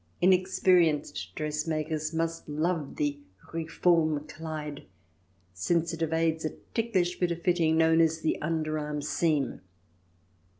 Inexperienced dressmakers must love the Reform Kleid, since it evades a ticklish bit of fitting known as "the under arm seam."